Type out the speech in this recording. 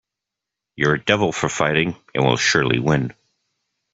You're a devil for fighting, and will surely win.